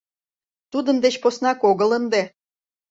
— Тудын деч поснак огыл ынде!